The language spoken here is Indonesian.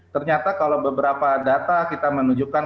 ternyata kalau beberapa data kita menunjukkan